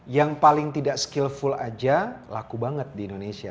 yang paling tidak skillful aja laku banget di indonesia